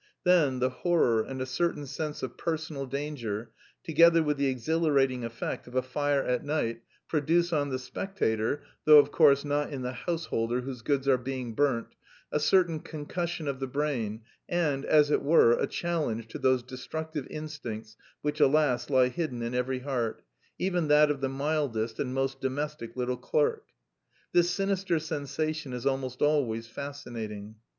Then the horror and a certain sense of personal danger, together with the exhilarating effect of a fire at night, produce on the spectator (though of course not in the householder whose goods are being burnt) a certain concussion of the brain and, as it were, a challenge to those destructive instincts which, alas, lie hidden in every heart, even that of the mildest and most domestic little clerk.... This sinister sensation is almost always fascinating.